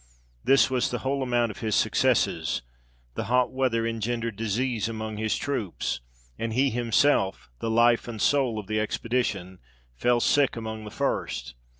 This was the whole amount of his successes. The hot weather engendered disease among his troops, and he himself, the life and soul of the expedition, fell sick among the first.